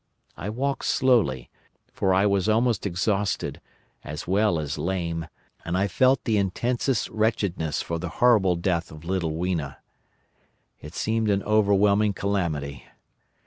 I walked slowly, for I was almost exhausted, as well as lame, and I felt the intensest wretchedness for the horrible death of little Weena. It seemed an overwhelming calamity.